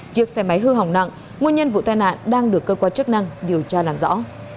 chiếc xe máy hư hỏng nặng nguyên nhân vụ tai nạn đang được cơ quan chức năng điều tra làm rõ